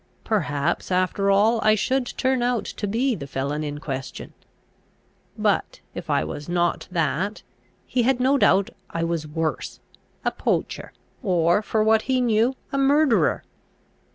Perhaps, after all, I should turn out to be the felon in question. But, if I was not that, he had no doubt I was worse; a poacher, or, for what he knew, a murderer.